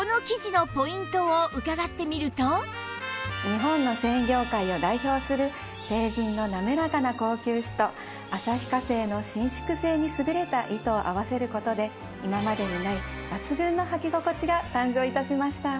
日本の繊維業界を代表する帝人の滑らかな高級糸と旭化成の伸縮性に優れた糸を合わせる事で今までにない抜群のはき心地が誕生致しました。